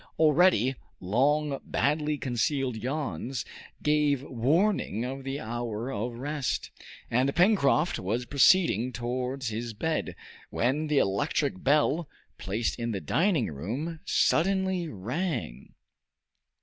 Already, long badly concealed yawns gave warning of the hour of rest, and Pencroft was proceeding towards his bed, when the electric bell, placed in the dining room, suddenly rang.